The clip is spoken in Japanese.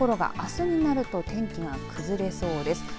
ところが、あすになると天気が崩れそうです。